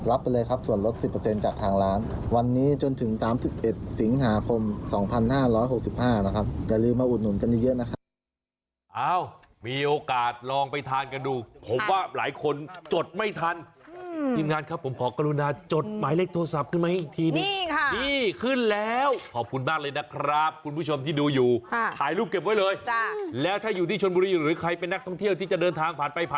ไปเลยครับส่วนลด๑๐จากทางร้านวันนี้จนถึง๓๑สิงหาคม๒๕๖๕นะครับอย่าลืมมาอุดหนุนกันเยอะนะครับ